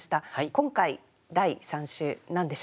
今回第３週何でしょうか？